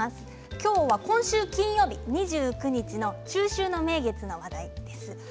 今日は今週、金曜日２９日の中秋の名月の話題です。